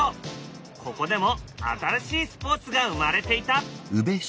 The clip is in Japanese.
ここでも新しいスポーツが生まれていた。